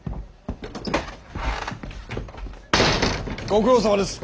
ご苦労さまです